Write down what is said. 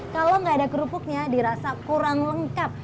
kalau nggak ada kerupuknya dirasa kurang lengkap